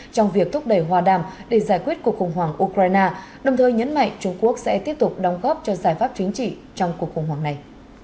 trong việc thúc đẩy hòa đàm để giải quyết cuộc khủng hoảng ukraine đồng thời nhấn mạnh trung quốc sẽ tiếp tục đóng góp cho giải pháp chính trị trong cuộc khủng hoảng này